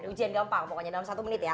ujian gampang pokoknya dalam satu menit ya